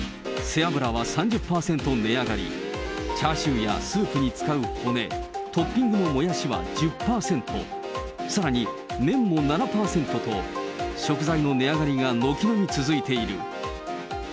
背脂は３０％値上がり、チャーシューやスープに使う骨、トッピングのもやしは１０％、さらに、麺も７％と、食材の値上がりが軒並み続いている。